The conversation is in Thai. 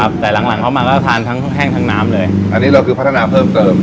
แต่หลังหลังเข้ามาก็ทานทั้งแห้งทั้งน้ำเลยอันนี้เราคือพัฒนาเพิ่มเติม